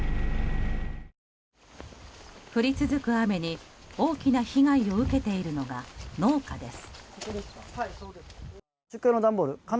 降り続く雨に大きな被害を受けているのが農家です。